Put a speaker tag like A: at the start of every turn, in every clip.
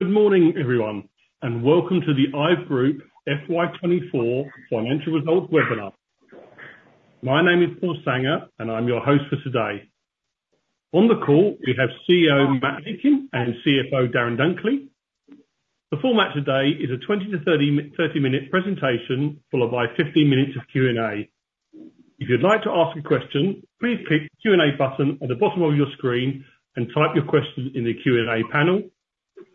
A: Good morning, everyone, and welcome to the IVE Group FY twenty-four financial results webinar. My name is Paul Sanger, and I'm your host for today. On the call, we have CEO Matt Aitken and CFO Darren Dunkley. The format today is a twenty to thirty-minute presentation, followed by fifteen minutes of Q&A. If you'd like to ask a question, please click Q&A button at the bottom of your screen, and type your question in the Q&A panel.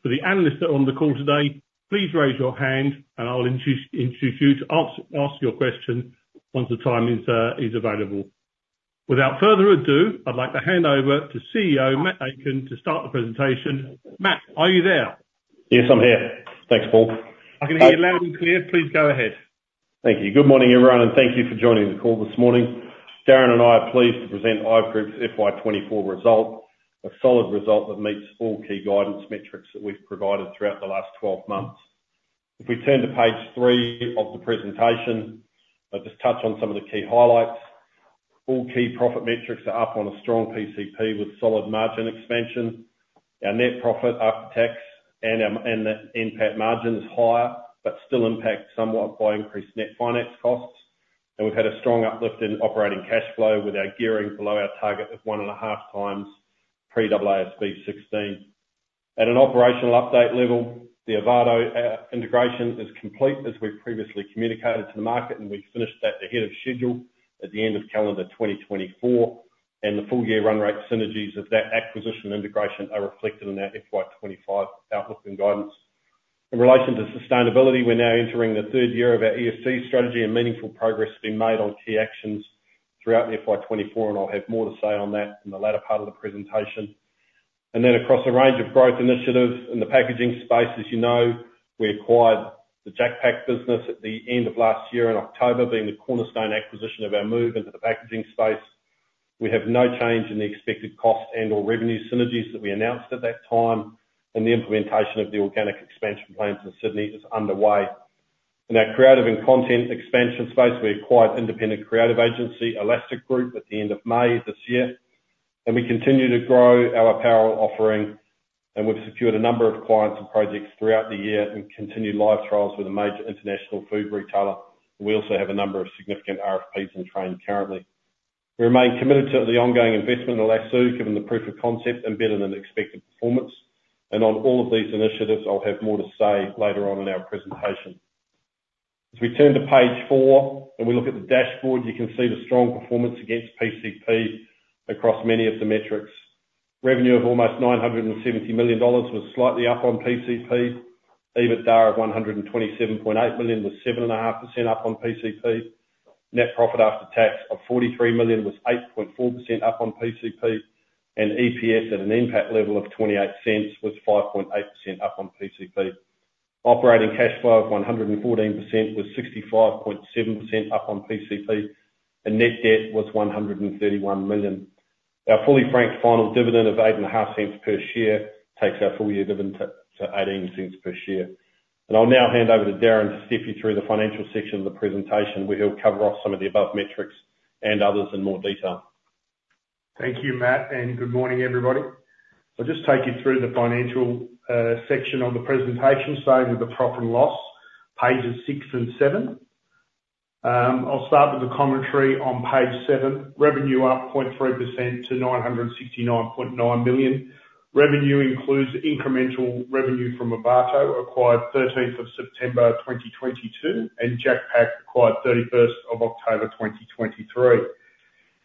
A: For the analysts that are on the call today, please raise your hand, and I'll introduce you to ask your question once the time is available. Without further ado, I'd like to hand over to CEO Matt Aitken to start the presentation. Matt, are you there?
B: Yes, I'm here. Thanks, Paul.
A: I can hear you loud and clear. Please go ahead.
B: Thank you. Good morning, everyone, and thank you for joining the call this morning. Darren and I are pleased to present IVE Group's FY24 result, a solid result that meets all key guidance metrics that we've provided throughout the last 12 months. If we turn to page three of the presentation, I'll just touch on some of the key highlights. All key profit metrics are up on a strong PCP with solid margin expansion. Our net profit after tax and the NPAT margin is higher, but still impacted somewhat by increased net finance costs, and we've had a strong uplift in operating cash flow, with our gearing below our target of one and a half times pre-AASB 16. At an operational update level, the Ovato integration is complete, as we previously communicated to the market, and we've finished that ahead of schedule at the end of calendar 2024, and the full year run rate synergies of that acquisition integration are reflected in our FY25 outlook and guidance. In relation to sustainability, we're now entering the third year of our ESG strategy, and meaningful progress has been made on key actions throughout FY24, and I'll have more to say on that in the latter part of the presentation. And then across a range of growth initiatives in the packaging space, as you know, we acquired the JacPak business at the end of last year in October, being the cornerstone acquisition of our move into the packaging space. We have no change in the expected cost and/or revenue synergies that we announced at that time, and the implementation of the organic expansion plans in Sydney is underway. In our creative and content expansion space, we acquired independent creative agency, Elastic Group, at the end of May this year, and we continue to grow our apparel offering, and we've secured a number of clients and projects throughout the year and continue live trials with a major international food retailer. We also have a number of significant RFPs in train currently. We remain committed to the ongoing investment in Lasoo, given the proof of concept and better than expected performance, and on all of these initiatives, I'll have more to say later on in our presentation. As we turn to page four, and we look at the dashboard, you can see the strong performance against PCP across many of the metrics. Revenue of almost 970 million dollars was slightly up on PCP. EBITDA of 127.8 million was 7.5% up on PCP. Net profit after tax of 43 million was 8.4% up on PCP, and EPS at an NPAT level of 0.28 was 5.8% up on PCP. Operating cash flow of 114 million was 65.7% up on PCP, and net debt was 131 million. Our fully franked final dividend of 0.085 per share takes our full year dividend to 0.18 per share. I'll now hand over to Darren to step you through the financial section of the presentation, where he'll cover off some of the above metrics and others in more detail.
A: Thank you, Matt, and good morning, everybody. I'll just take you through the financial section of the presentation, starting with the profit and loss, pages six and seven. I'll start with the commentary on page seven. Revenue up 0.3% to 969.9 million. Revenue includes incremental revenue from Ovato, acquired thirteenth of September 2022, and JacPak, acquired thirty-first of October 2023.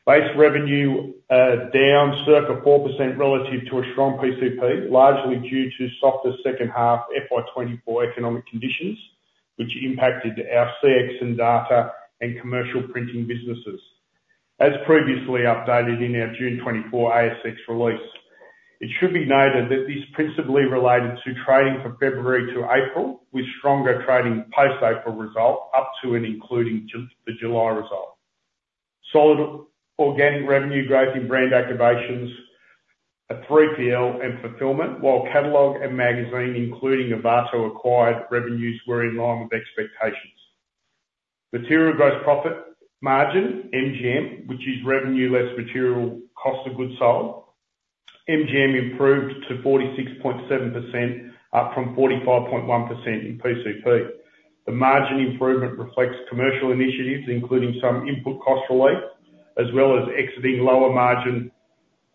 A: Base revenue, down circa 4% relative to a strong PCP, largely due to softer second half FY 2024 economic conditions, which impacted our CX and data and commercial printing businesses, as previously updated in our June 2024 ASX release. It should be noted that this principally related to trading from February to April, with stronger trading post-April result up to and including the July result. Solid organic revenue growth in brand activations in 3PL and fulfillment, while catalog and magazine, including Ovato acquired revenues, were in line with expectations. Material gross profit margin, MGM, which is revenue less material cost of goods sold, MGM improved to 46.7%, up from 45.1% in PCP. The margin improvement reflects commercial initiatives, including some input cost relief, as well as exiting lower margin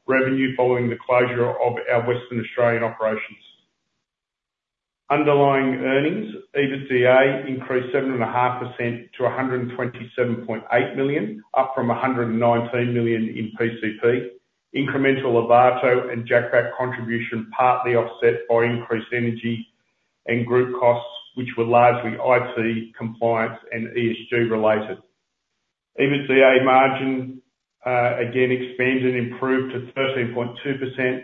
A: revenue following the closure of our Western Australian operations. Underlying earnings, EBITDA, increased 7.5% to 127.8 million, up from 119 million in PCP. Incremental Ovato and JacPak contribution, partly offset by increased energy and group costs, which were largely IT, compliance, and ESG related. EBITDA margin, again, expanded and improved to 13.2%,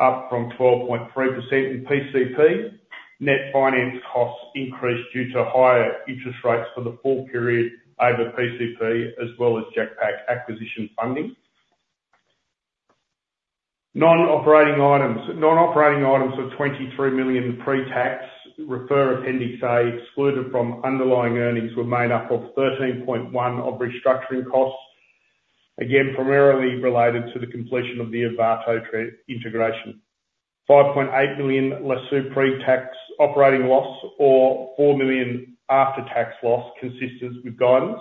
A: up from 12.3% in PCP. Net finance costs increased due to higher interest rates for the full period over PCP, as well as JacPak acquisition funding. Non-operating items. Non-operating items were 23 million pre-tax, refer appendix A, excluded from underlying earnings, were made up of 13.1 of restructuring costs, again, primarily related to the completion of the Ovato transaction integration. 5.8 million Lasoo pre-tax operating loss, or 4 million after-tax loss, consistent with guidance.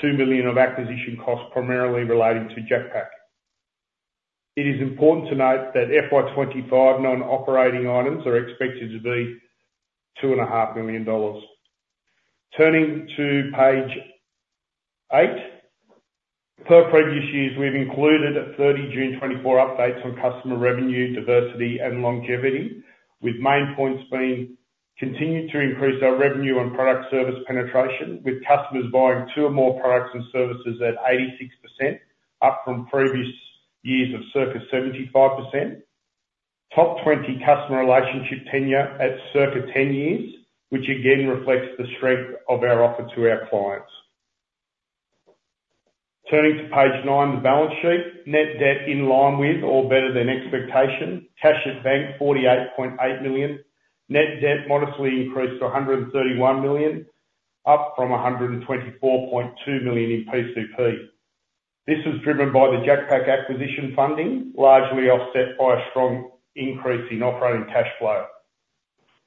A: 2 million of acquisition costs, primarily relating to JacPak. It is important to note that FY25 non-operating items are expected to be 2.5 million dollars. Turning to page 8. Per previous years, we've included a 30 June 2024 updates on customer revenue, diversity, and longevity, with main points being: continued to increase our revenue and product service penetration, with customers buying two or more products and services at 86%, up from previous years of circa 75%. Top 20 customer relationship tenure at circa ten years, which again reflects the strength of our offer to our clients. Turning to page 9, the balance sheet. Net debt in line with or better than expectation. Cash at bank, 48.8 million. Net debt modestly increased to 131 million, up from 124.2 million in PCP. This was driven by the JacPak acquisition funding, largely offset by a strong increase in operating cash flow.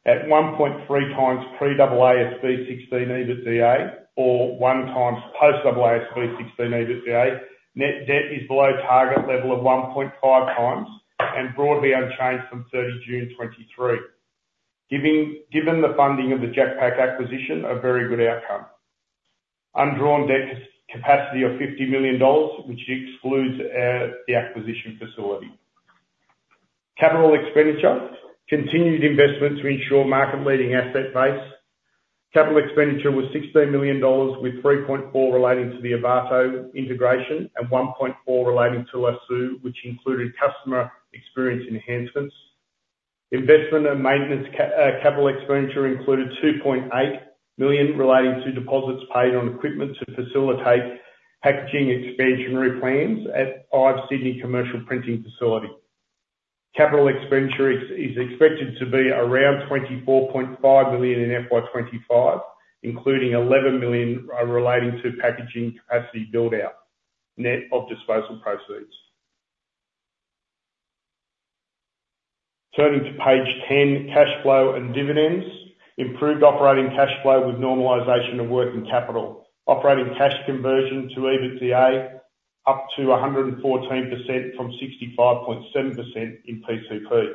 A: At 1.3 times pre-AASB 16 EBITDA, or 1 times post-AASB 16 EBITDA, net debt is below target level of 1.5 times and broadly unchanged from 30 June 2023. Given the funding of the JacPak acquisition, a very good outcome. Undrawn debt capacity of 50 million dollars, which excludes the acquisition facility. Capital expenditure. Continued investment to ensure market-leading asset base. Capital expenditure was 16 million dollars, with 3.4 relating to the Ovato integration and 1.4 relating to Lasoo, which included customer experience enhancements. Investment and maintenance capital expenditure included 2.8 million, relating to deposits paid on equipment to facilitate packaging expansionary plans at IVE's Sydney commercial printing facility. Capital expenditure is expected to be around 24.5 million in FY25, including 11 million relating to packaging capacity build-out, net of disposal proceeds. Turning to page 10, cash flow and dividends. Improved operating cash flow with normalization of working capital. Operating cash conversion to EBITDA up to 114% from 65.7% in PCP,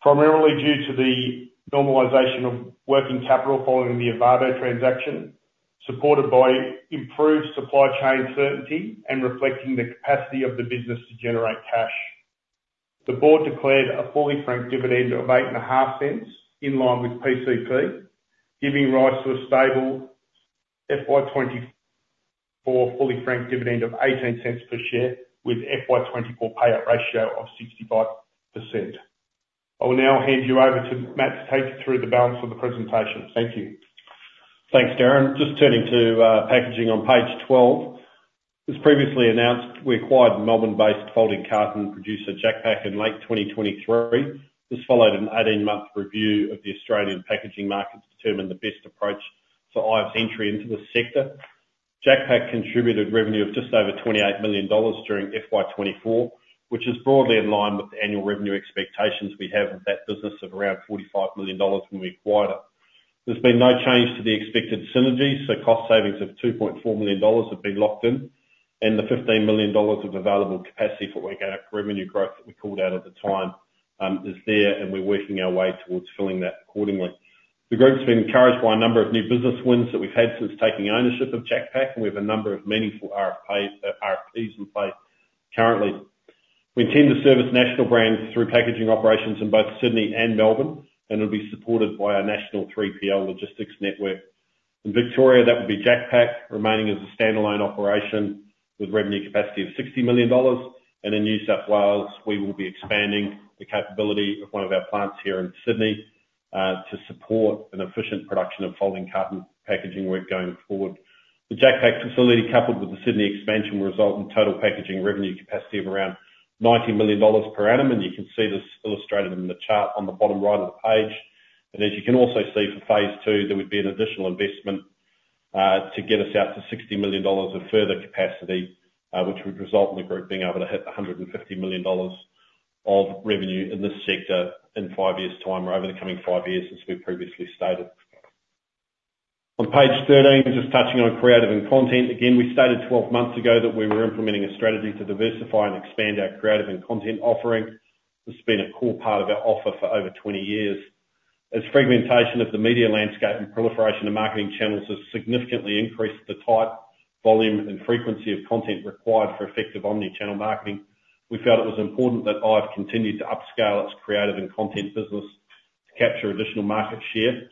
A: primarily due to the normalization of working capital following the Ovato transaction, supported by improved supply chain certainty and reflecting the capacity of the business to generate cash. The board declared a fully franked dividend of 0.085, in line with PCP, giving rise to a stable FY24 fully franked dividend of 0.18 per share, with FY24 payout ratio of 65%. I will now hand you over to Matt, to take you through the balance of the presentation. Thank you.
B: Thanks, Darren. Just turning to packaging on page twelve. As previously announced, we acquired Melbourne-based folding carton producer, JacPak, in late 2023. This followed an 18-month review of the Australian packaging market, to determine the best approach for IVE's entry into this sector. JacPak contributed revenue of just over 28 million dollars during FY twenty-four, which is broadly in line with the annual revenue expectations we have of that business, of around 45 million dollars when we acquired it. There's been no change to the expected synergies, so cost savings of 2.4 million dollars have been locked in, and the 15 million dollars of available capacity for organic revenue growth that we called out at the time is there, and we're working our way towards filling that accordingly. The group's been encouraged by a number of new business wins that we've had since taking ownership of JacPak, and we have a number of meaningful RFPs in play currently. We intend to service national brands through packaging operations in both Sydney and Melbourne, and it'll be supported by our national 3PL logistics network. In Victoria, that will be JacPak remaining as a standalone operation with revenue capacity of 60 million dollars, and in New South Wales, we will be expanding the capability of one of our plants here in Sydney to support an efficient production of folding carton packaging work going forward. The JacPak facility, coupled with the Sydney expansion, will result in total packaging revenue capacity of around 90 million dollars per annum, and you can see this illustrated in the chart on the bottom right of the page. And as you can also see, for phase two, there would be an additional investment to get us out to 60 million dollars of further capacity, which would result in the group being able to hit 150 million dollars of revenue in this sector in five years' time, or over the coming five years, as we've previously stated. On page 13, just touching on creative and content. Again, we stated 12 months ago that we were implementing a strategy to diversify and expand our creative and content offering, which has been a core part of our offer for over 20 years. As fragmentation of the media landscape and proliferation of marketing channels has significantly increased the type, volume, and frequency of content required for effective omni-channel marketing, we felt it was important that IVE continued to upscale its creative and content business to capture additional market share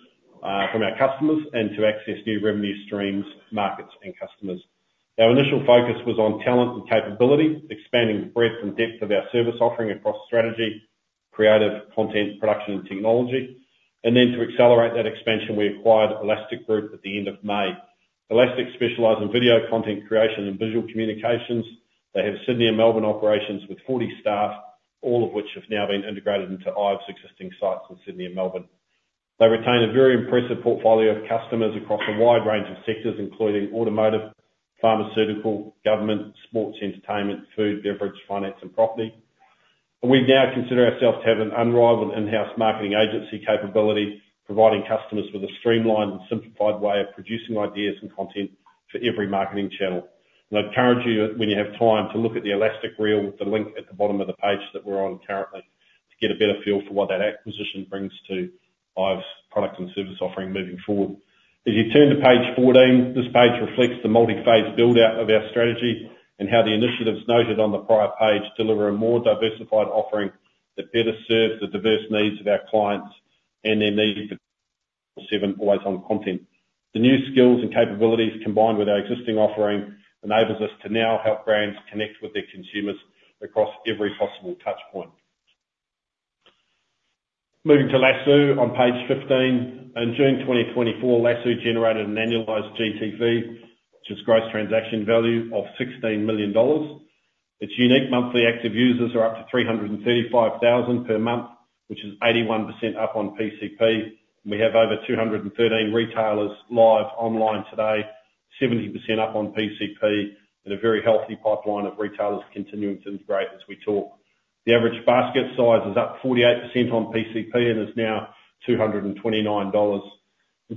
B: from our customers, and to access new revenue streams, markets, and customers. Our initial focus was on talent and capability, expanding the breadth and depth of our service offering across strategy, creative content, production, and technology. And then to accelerate that expansion, we acquired Elastic at the end of May. Elastic specialize in video content creation and visual communications. They have Sydney and Melbourne operations with 40 staff, all of which have now been integrated into IVE's existing sites in Sydney and Melbourne. They retain a very impressive portfolio of customers across a wide range of sectors, including automotive, pharmaceutical, government, sports, entertainment, food, beverage, finance and property. And we now consider ourselves to have an unrivaled in-house marketing agency capability, providing customers with a streamlined and simplified way of producing ideas and content for every marketing channel. And I'd encourage you, when you have time, to look at the Elastic Reel, the link at the bottom of the page that we're on currently, to get a better feel for what that acquisition brings to IVE's product and service offering moving forward. As you turn to page fourteen, this page reflects the multi-phase build-out of our strategy, and how the initiatives noted on the prior page deliver a more diversified offering that better serves the diverse needs of our clients and their need for seven always-on content. The new skills and capabilities, combined with our existing offering, enables us to now help brands connect with their consumers across every possible touchpoint. Moving to Lasoo on page 15. In June 2024, Lasoo generated an annualized GTV, which is gross transaction value, of 16 million dollars. Its unique monthly active users are up to 335,000 per month, which is 81% up on PCP, and we have over 213 retailers live online today, 70% up on PCP, with a very healthy pipeline of retailers continuing to integrate as we talk. The average basket size is up 48% on PCP, and is now 229 dollars.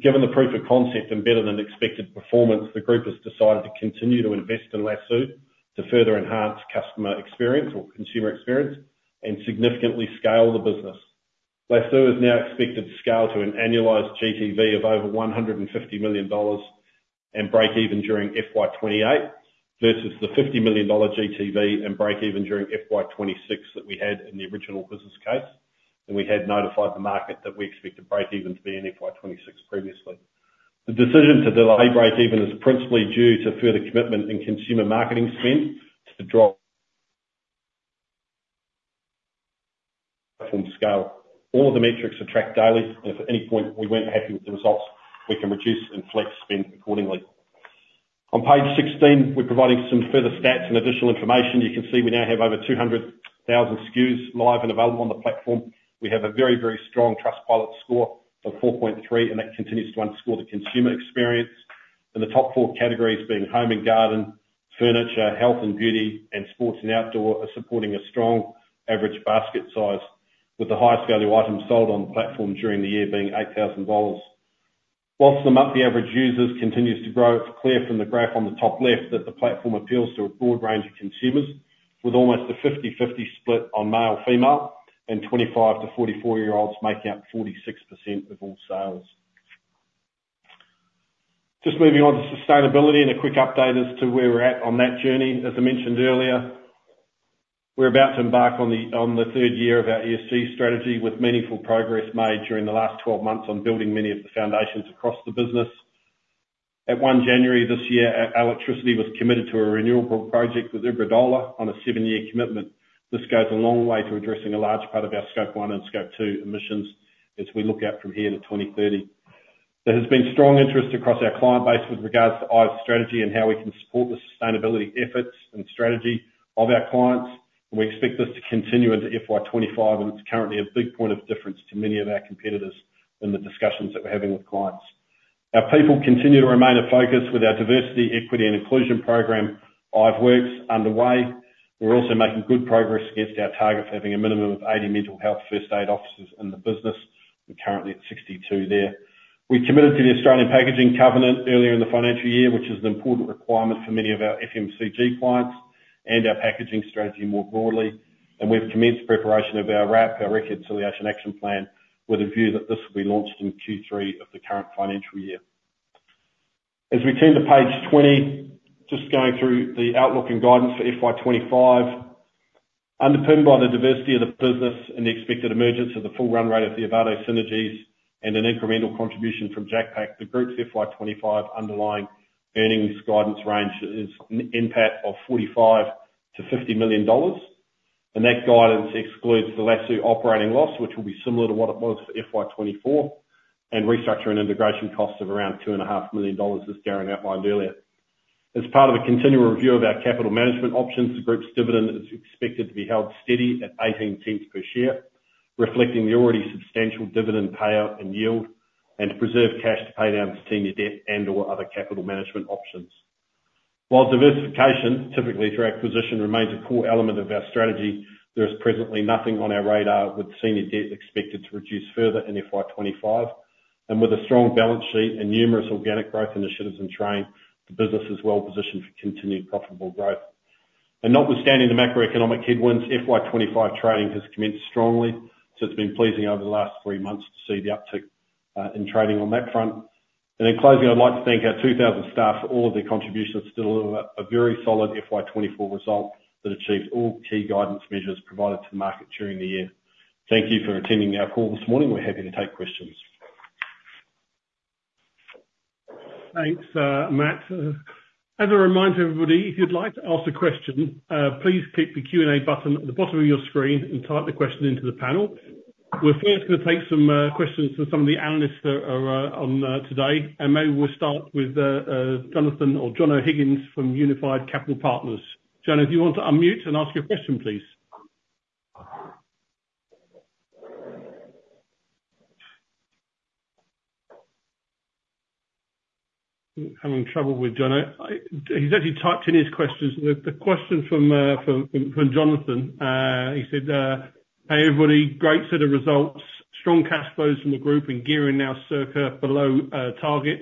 B: Given the proof of concept and better than expected performance, the group has decided to continue to invest in Lasoo, to further enhance customer experience or consumer experience, and significantly scale the business. Lasoo is now expected to scale to an annualized GTV of over $150 million and break even during FY28, versus the $50 million GTV and break even during FY26 that we had in the original business case. We had notified the market that we expect to break even to be in FY26 previously. The decision to delay break even is principally due to further commitment in consumer marketing spend to draw from scale. All of the metrics are tracked daily, and if at any point we weren't happy with the results, we can reduce and flex spend accordingly. On page 16, we're providing some further stats and additional information. You can see we now have over 200,000 SKUs live and available on the platform. We have a very, very strong Trustpilot score of 4.3, and that continues to underscore the consumer experience, and the top four categories being home and garden, furniture, health and beauty, and sports and outdoor, are supporting a strong average basket size, with the highest value item sold on the platform during the year being 8,000 dollars. While the monthly average users continues to grow, it's clear from the graph on the top left that the platform appeals to a broad range of consumers, with almost a fifty-fifty split on male/female, and twenty-five to forty-four-year-olds making up 46% of all sales. Just moving on to sustainability and a quick update as to where we're at on that journey. As I mentioned earlier, we're about to embark on the third year of our ESG strategy, with meaningful progress made during the last twelve months on building many of the foundations across the business. On 1 January this year, our electricity was committed to a renewable project with Iberdrola on a seven-year commitment. This goes a long way to addressing a large part of our Scope 1 and Scope 2 emissions as we look out from here to 2030. There has been strong interest across our client base with regards to IVE's strategy and how we can support the sustainability efforts and strategy of our clients, and we expect this to continue into FY25, and it's currently a big point of difference to many of our competitors in the discussions that we're having with clients. Our people continue to remain a focus with our diversity, equity, and inclusion program, IVE Works, underway. We're also making good progress against our target for having a minimum of 80 mental health first aid officers in the business. We're currently at 62 there. We committed to the Australian Packaging Covenant earlier in the financial year, which is an important requirement for many of our FMCG clients and our packaging strategy more broadly, and we've commenced preparation of our RAP, our Reconciliation Action Plan, with a view that this will be launched in Q3 of the current financial year. As we turn to page 20, just going through the outlook and guidance for FY25. Underpinned by the diversity of the business and the expected emergence of the full run rate of the Ovato synergies and an incremental contribution from JacPak, the group's FY twenty-five underlying earnings guidance range is an impact of 45 million-50 million dollars. And that guidance excludes the Lasoo operating loss, which will be similar to what it was for FY twenty-four, and restructure and integration costs of around 2.5 million dollars, as Darren outlined earlier. As part of a continual review of our capital management options, the group's dividend is expected to be held steady at 0.18 per share, reflecting the already substantial dividend payout and yield, and to preserve cash to pay down its senior debt and/or other capital management options. While diversification, typically through acquisition, remains a core element of our strategy, there is presently nothing on our radar, with senior debt expected to reduce further in FY twenty-five, and with a strong balance sheet and numerous organic growth initiatives in train, the business is well positioned for continued profitable growth, and notwithstanding the macroeconomic headwinds, FY twenty-five trading has commenced strongly, so it's been pleasing over the last three months to see the uptick in trading on that front, and in closing, I'd like to thank our two thousand staff for all of their contributions to deliver a very solid FY twenty-four result that achieves all key guidance measures provided to the market during the year. Thank you for attending our call this morning. We're happy to take questions. Thanks, Matt. As a reminder to everybody, if you'd like to ask a question, please click the Q&A button at the bottom of your screen and type the question into the panel. We're first gonna take some questions from some of the analysts that are on today, and maybe we'll start with Jonathan or John O'Higgins from Unified Capital Partners. John, if you want to unmute and ask your question, please? Having trouble with John, he's actually typed in his questions. The question from Jonathan, he said, "Hi, everybody, great set of results. Strong cash flows from the group, and gearing now circa below target,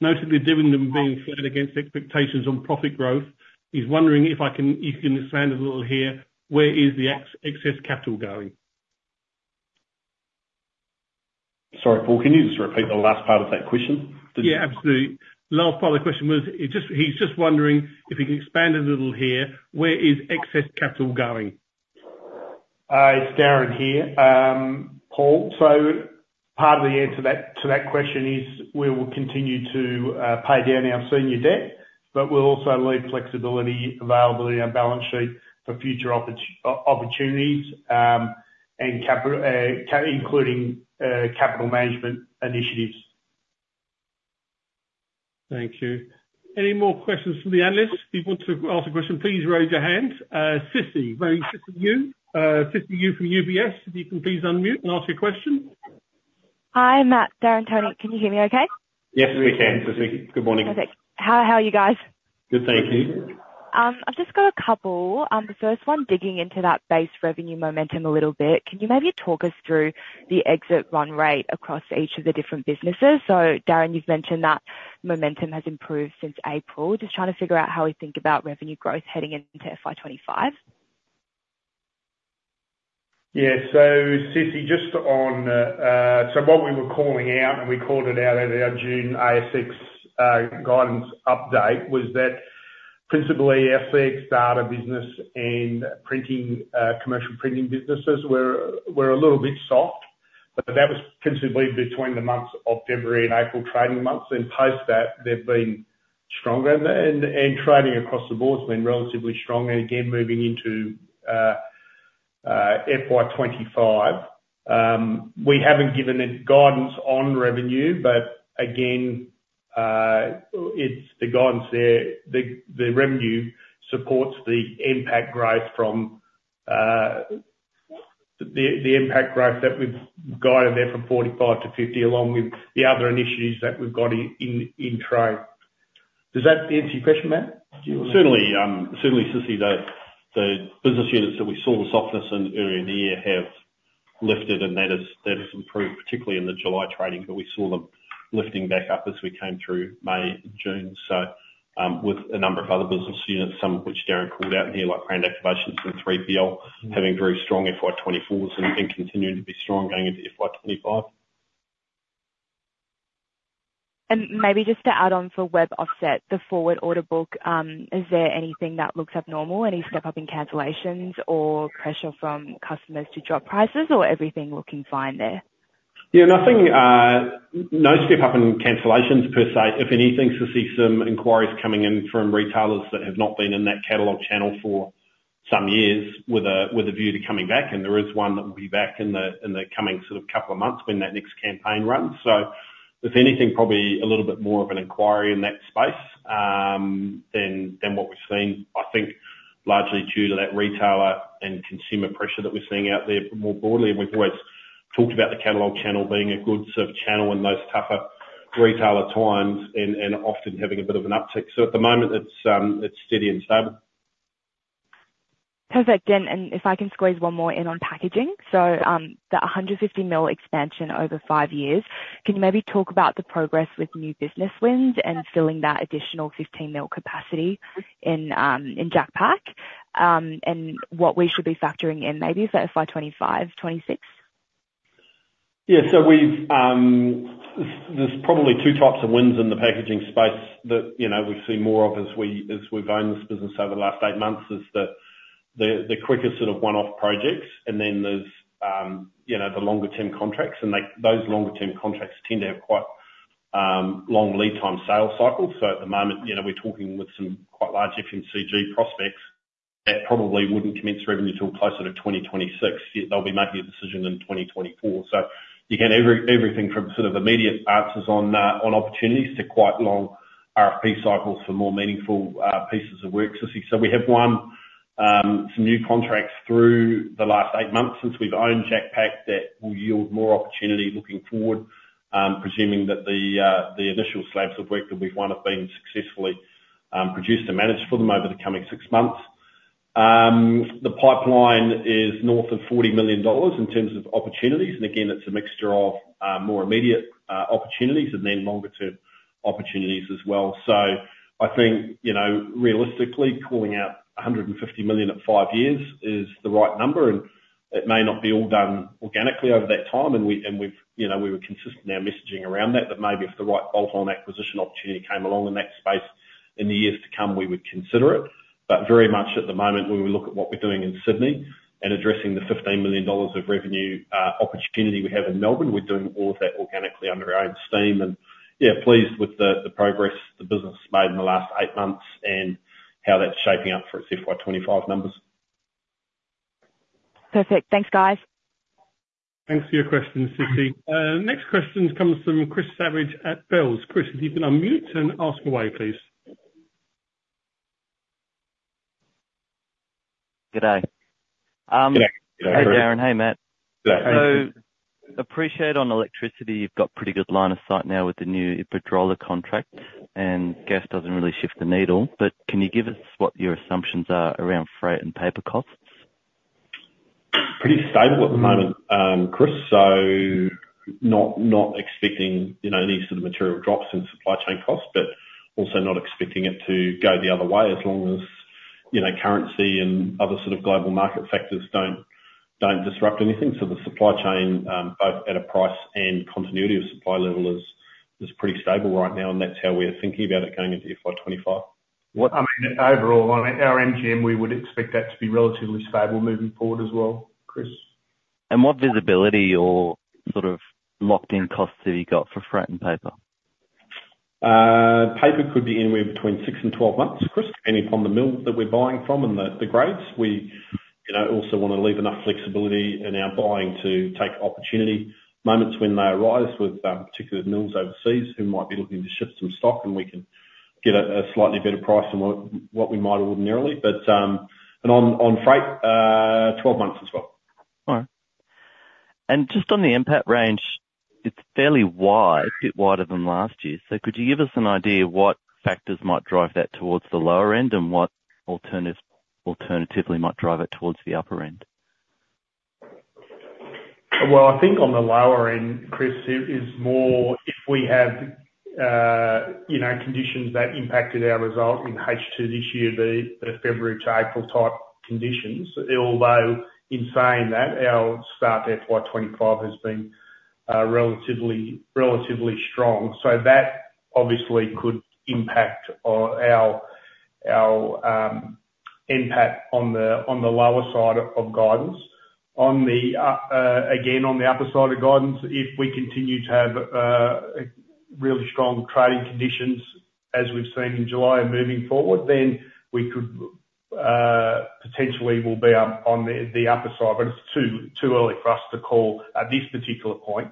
B: notably dividend being flat against expectations on profit growth." He's wondering if you can expand a little here, where is the excess capital going? Sorry, Paul, can you just repeat the last part of that question? Yeah, absolutely. Last part of the question was, he's just wondering if you can expand a little here, where is excess capital going?
A: It's Darren here. Paul, so part of the answer to that question is, we will continue to pay down our senior debt, but we'll also leave flexibility available in our balance sheet for future opportunities, including capital management initiatives. Thank you. Any more questions from the analysts? If you want to ask a question, please raise your hand. Sissy, going to Sissy Yu, Sissy Yu from UBS, if you can please unmute and ask your question.
C: Hi, Matt, Darren, Tony, can you hear me okay?
B: Yes, we can, Sissy. Good morning.
C: Perfect. How are you guys?
B: Good, thank you.
C: I've just got a couple. The first one, digging into that base revenue momentum a little bit, can you maybe talk us through the exit run rate across each of the different businesses? So Darren, you've mentioned that momentum has improved since April. Just trying to figure out how we think about revenue growth heading into FY twenty-five.
A: Yeah. So Sissy, just on. So what we were calling out, and we called it out at our June ASX guidance update, was that principally our ASX data business and printing commercial printing businesses were a little bit soft, but that was principally between the months of February and April trading months, and post that, they've been stronger. And trading across the board has been relatively strong, and again, moving into FY twenty-five. We haven't given it guidance on revenue, but again, it's the guidance there, the revenue supports the NPAT growth from the NPAT growth that we've guided there from forty-five to fifty, along with the other initiatives that we've got in trade. Does that answer your question, Ma'am?
B: Certainly, Sissy, the business units that we saw the softness in earlier in the year have lifted, and that has improved, particularly in the July trading, but we saw them lifting back up as we came through May and June. So, with a number of other business units, some of which Darren called out here, like brand activations and 3PL, having very strong FY24s and continuing to be strong going into FY25.
C: And maybe just to add on for web offset, the forward order book, is there anything that looks abnormal? Any step up in cancellations or pressure from customers to drop prices or everything looking fine there?
B: Yeah, nothing, no step up in cancellations per se. If anything, Sissy, some inquiries coming in from retailers that have not been in that catalog channel for some years, with a view to coming back, and there is one that will be back in the coming sort of couple of months when that next campaign runs. So if anything, probably a little bit more of an inquiry in that space, than what we've seen. I think largely due to that retailer and consumer pressure that we're seeing out there more broadly, and we've always talked about the catalog channel being a good sort of channel in those tougher retailer times, and often having a bit of an uptick. So at the moment, it's steady and stable.
C: Perfect. Then, and if I can squeeze one more in on packaging. So, the 150 mil expansion over five years, can you maybe talk about the progress with new business wins and filling that additional 15 mil capacity in JacPak? And what we should be factoring in maybe for FY25, FY26.
B: Yeah. So we've, there's probably two types of wins in the packaging space that, you know, we've seen more of as we, as we've owned this business over the last eight months, is the quicker sort of one-off projects, and then there's, you know, the longer term contracts, and those longer term contracts tend to have quite long lead time sales cycles. So at the moment, you know, we're talking with some quite large FMCG prospects that probably wouldn't commence revenue till closer to 2026, yet they'll be making a decision in 2024. So again, everything from sort of immediate answers on opportunities, to quite long RFP cycles for more meaningful pieces of work, Sissy. So we have won some new contracts through the last eight months since we've owned JacPak, that will yield more opportunity looking forward, presuming that the initial slabs of work that we've won have been successfully produced and managed for them over the coming six months. The pipeline is north of 40 million dollars in terms of opportunities, and again, it's a mixture of more immediate opportunities and then longer term opportunities as well. So I think, you know, realistically, calling out 150 million at five years is the right number, and it may not be all done organically over that time, and we've, you know, we were consistent in our messaging around that, but maybe if the right bolt-on acquisition opportunity came along in that space in the years to come, we would consider it. But very much at the moment, when we look at what we're doing in Sydney, and addressing the 15 million dollars of revenue opportunity we have in Melbourne, we're doing all of that organically under our own steam. Yeah, pleased with the progress the business has made in the last eight months, and how that's shaping up for its FY25 numbers.
C: Perfect. Thanks, guys.
A: ...Thanks for your question, Sissy. Next question comes from Chris Savage at Bells. Chris, if you can unmute and ask away, please.
D: G'day.
B: G'day.
D: Hey, Darren. Hey, Matt.
B: Hey.
D: So, appreciate on electricity, you've got pretty good line of sight now with the new Iberdrola contract, and gas doesn't really shift the needle, but can you give us what your assumptions are around freight and paper costs?
B: Pretty stable at the moment, Chris. So not expecting, you know, any sort of material drops in supply chain costs, but also not expecting it to go the other way, as long as, you know, currency and other sort of global market factors don't disrupt anything. So the supply chain, both at a price and continuity of supply level is pretty stable right now, and that's how we're thinking about it going into FY25.
A: I mean, overall, on our MGM, we would expect that to be relatively stable moving forward as well, Chris.
D: What visibility or sort of locked-in costs have you got for freight and paper?
B: Paper could be anywhere between six and 12 months, Chris, depending upon the mill that we're buying from and the grades. We, you know, also wanna leave enough flexibility in our buying to take opportunity moments when they arise with particular mills overseas who might be looking to ship some stock, and we can get a slightly better price than what we might ordinarily. But, and on freight, 12 months as well.
D: All right, and just on the NPAT range, it's fairly wide, a bit wider than last year, so could you give us an idea of what factors might drive that towards the lower end, and what alternatives, alternatively, might drive it towards the upper end?
A: I think on the lower end, Chris, it is more if we have, you know, conditions that impacted our result in H2 this year, the February to April type conditions. Although, in saying that, our start to FY twenty-five has been relatively strong. So that obviously could impact on our NPAT on the lower side of guidance. On the, again, on the upper side of guidance, if we continue to have really strong trading conditions as we've seen in July moving forward, then we could potentially will be up on the upper side, but it's too early for us to call at this particular point.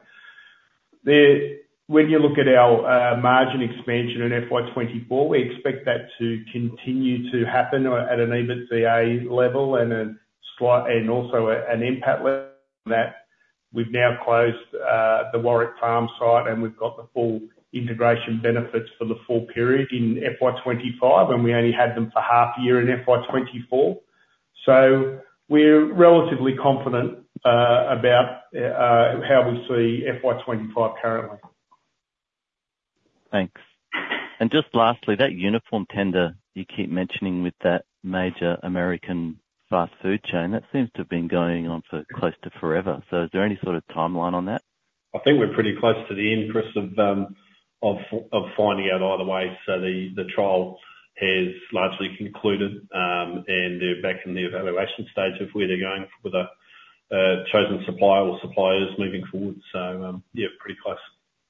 A: Then, when you look at our margin expansion in FY twenty-four, we expect that to continue to happen at an EBITDA level, and a slight... and also an NPAT level that we've now closed the Warwick Farm site, and we've got the full integration benefits for the full period in FY25, and we only had them for half year in FY24. So we're relatively confident about how we see FY25 currently.
D: Thanks. And just lastly, that uniform tender you keep mentioning with that major American fast food chain, that seems to have been going on for close to forever. So is there any sort of timeline on that?
B: I think we're pretty close to the end, Chris, of finding out either way. So the trial has largely concluded, and they're back in the evaluation stage of where they're going with a chosen supplier or suppliers moving forward. So, yeah, pretty close.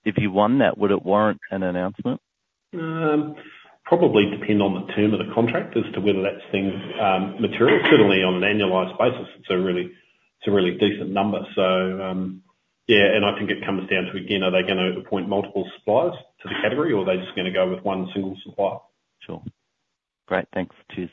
D: If you won that, would it warrant an announcement?
B: Probably depend on the term of the contract as to whether that's being material. Certainly, on an annualized basis, it's a really decent number. So, yeah, and I think it comes down to, again, are they gonna appoint multiple suppliers to the category, or are they just gonna go with one single supplier?
D: Sure. Great. Thanks, cheers.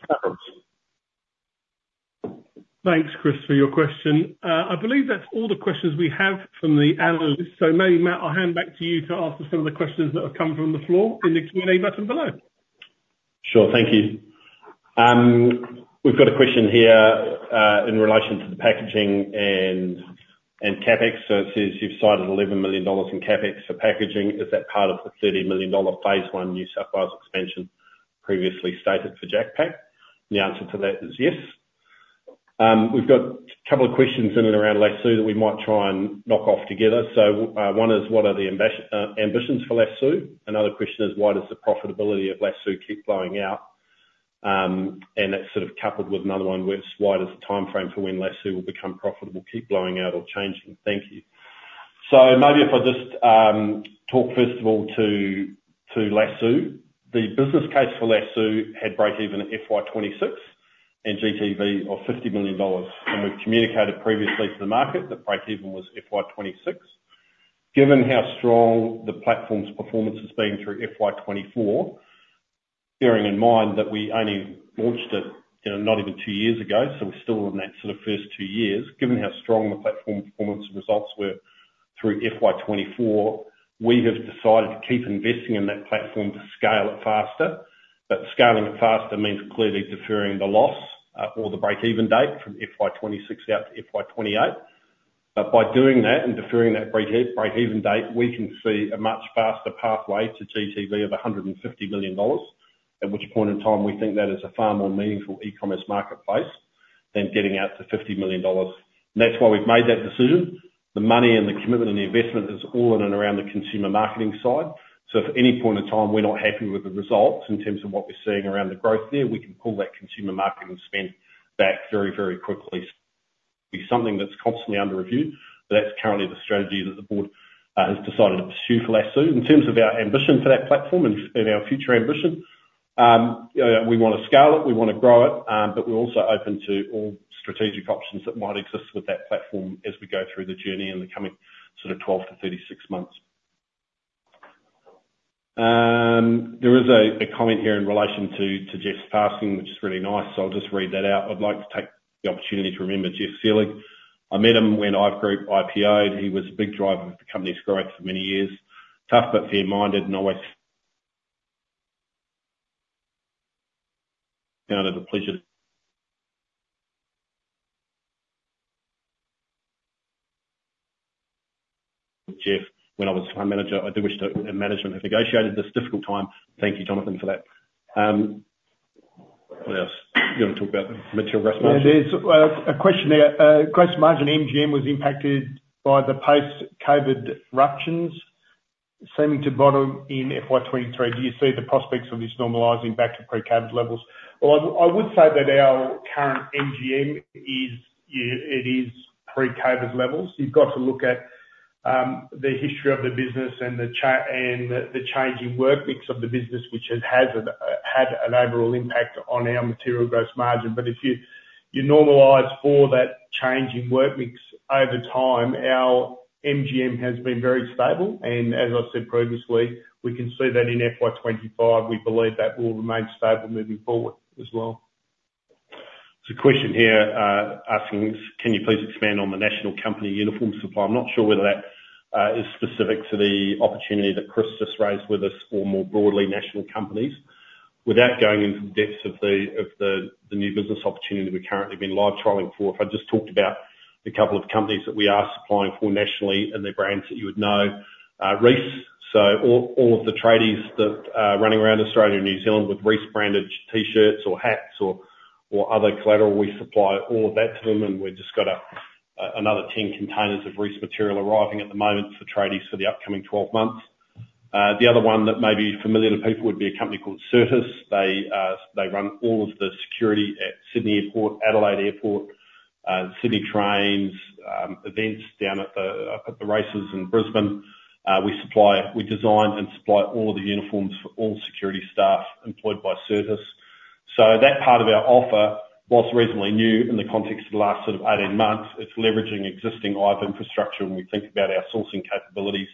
A: Thanks, Chris, for your question. I believe that's all the questions we have from the analysts, so maybe, Matt, I'll hand back to you to ask some of the questions that have come from the floor in the Q&A button below.
B: Sure. Thank you. We've got a question here in relation to the packaging and CapEx. So it says, "You've cited AUD 11 million in CapEx for packaging. Is that part of the AUD 30 million phase one New South Wales expansion previously stated for JacPak?" The answer to that is yes. We've got a couple of questions in and around Lasoo that we might try and knock off together. So one is: "What are the ambitions for Lasoo?" Another question is: "Why does the profitability of Lasoo keep blowing out?" And that's sort of coupled with another one, which, "Why does the timeframe for when Lasoo will become profitable keep blowing out or changing? Thank you." So maybe if I just talk first of all to Lasoo. The business case for Lasoo had breakeven at FY26 and GTV of 50 million dollars, and we've communicated previously to the market that breakeven was FY26. Given how strong the platform's performance has been through FY24, bearing in mind that we only launched it, you know, not even two years ago, so we're still within that sort of first two years. Given how strong the platform performance results were through FY24, we have decided to keep investing in that platform to scale it faster. Scaling it faster means clearly deferring the loss, or the breakeven date from FY26 out to FY28. But by doing that, and deferring that break-even, breakeven date, we can see a much faster pathway to GTV of 150 million dollars, at which point in time, we think that is a far more meaningful e-commerce marketplace than getting out to 50 million dollars. And that's why we've made that decision. The money and the commitment and the investment is all in and around the consumer marketing side. So if at any point in time we're not happy with the results in terms of what we're seeing around the growth there, we can pull that consumer marketing spend back very, very quickly. It's something that's constantly under review, but that's currently the strategy that the board has decided to pursue for Lasoo. In terms of our ambition for that platform and our future ambition-... We wanna scale it, we wanna grow it, but we're also open to all strategic options that might exist with that platform as we go through the journey in the coming sort of 12-36 months. There is a comment here in relation to Geoff's passing, which is really nice, so I'll just read that out: "I'd like to take the opportunity to remember Geoff Selig. I met him when IVE Group IPO'd. He was a big driver of the company's growth for many years, tough but fair-minded, and always... out of a pleasure... Geoff, when I was fund manager. I do wish the management have negotiated this difficult time." Thank you, Jonathan, for that. What else? You wanna talk about material gross margin?
A: Yeah, there's a question there, gross margin MGM was impacted by the post-COVID disruptions, seeming to bottom in FY 2023. Do you see the prospects of this normalizing back to pre-COVID levels? I would say that our current MGM is it is pre-COVID levels. You've got to look at the history of the business and the changing work mix of the business, which has had an overall impact on our material gross margin. But if you normalize for that change in work mix, over time, our MGM has been very stable, and as I said previously, we can see that in FY 2025, we believe that will remain stable moving forward as well.
B: There's a question here asking us: Can you please expand on the national company uniform supply? I'm not sure whether that is specific to the opportunity that Chris just raised with us, or more broadly, national companies. Without going into the depths of the new business opportunity we've currently been live trialing for, if I just talked about the couple of companies that we are supplying for nationally, and they're brands that you would know. Reece, so all of the tradies that are running around Australia and New Zealand with Reece-branded T-shirts or hats or other collateral, we supply all of that to them, and we've just got another 10 containers of Reece material arriving at the moment for tradies for the upcoming 12 months. The other one that may be familiar to people would be a company called Certis. They, they run all of the security at Sydney Airport, Adelaide Airport, Sydney trains, events down at the races in Brisbane. We supply. We design and supply all of the uniforms for all security staff employed by Certis. So that part of our offer, whilst reasonably new in the context of the last sort of 18 months, it's leveraging existing IVE infrastructure when we think about our sourcing capabilities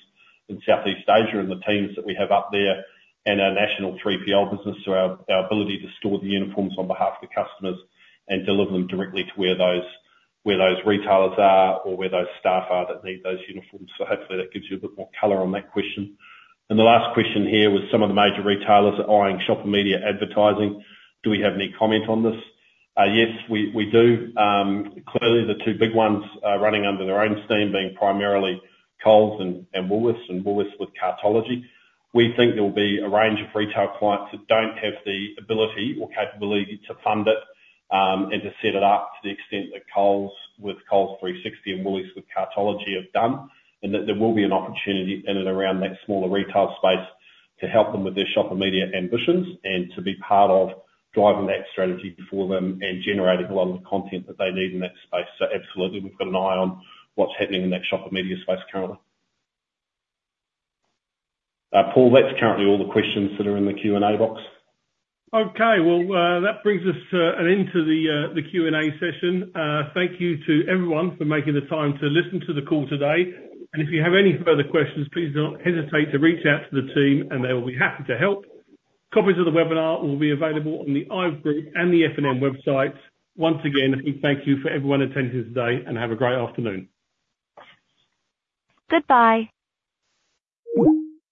B: in Southeast Asia and the teams that we have up there, and our national 3PL business, so our ability to store the uniforms on behalf of the customers and deliver them directly to where those retailers are or where those staff are that need those uniforms. So hopefully that gives you a bit more color on that question. And the last question here was some of the major retailers are eyeing shopper media advertising. Do we have any comment on this? Yes, we do. Clearly the two big ones running under their own steam, being primarily Coles and Woolworths, and Woolworths with Cartology. We think there will be a range of retail clients that don't have the ability or capability to fund it and to set it up to the extent that Coles with Coles 360 and Woolworths with Cartology have done, and that there will be an opportunity in and around that smaller retail space to help them with their shopper media ambitions, and to be part of driving that strategy for them and generating a lot of the content that they need in that space. So absolutely, we've got an eye on what's happening in that shopper media space currently. Paul, that's currently all the questions that are in the Q&A box.
A: Okay. Well, that brings us to an end to the Q&A session. Thank you to everyone for making the time to listen to the call today, and if you have any further questions, please do not hesitate to reach out to the team, and they will be happy to help. Copies of the webinar will be available on the IVE Group and the FNN websites. Once again, we thank you for everyone attending today, and have a great afternoon.
C: Goodbye.